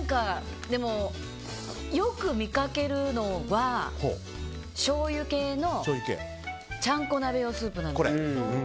よく見かけるのはしょうゆ系のちゃんこ鍋用スープなんです。